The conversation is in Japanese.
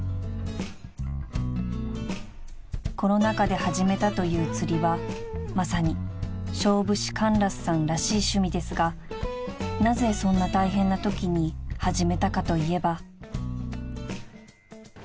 ［コロナ禍で始めたという釣りはまさに勝負師カンラスさんらしい趣味ですがなぜそんな大変なときに始めたかといえば］